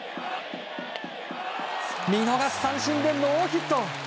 見逃し三振でノーヒット。